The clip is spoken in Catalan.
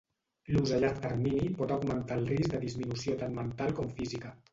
L'ús a llarg termini pot augmentar el risc de disminució tant mental com física.